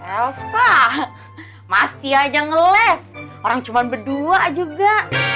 elsa masih aja ngeles orang cuma berdua juga